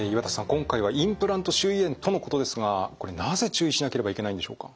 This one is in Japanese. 今回はインプラント周囲炎とのことですがこれなぜ注意しなければいけないんでしょうか？